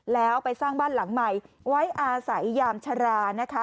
แล้วไปสร้างบ้านหลังใหม่ไว้อาศัยยามชรานะคะ